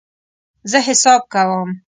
زه حساب کوم